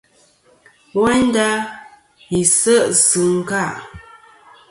Woynda, yi se' sɨ ɨnka.